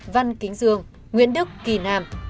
văn kính dương nguyễn đức kỳ nam